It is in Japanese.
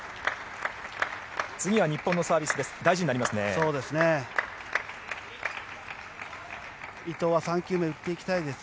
次は日本のサービスです。